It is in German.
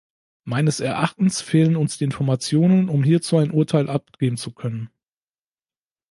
Meines Erachtens fehlen uns die Informationen, um hierzu ein Urteil abgeben zu können.